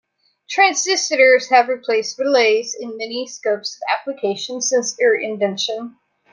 Transistors have replaced relays in many scopes of application since their invention.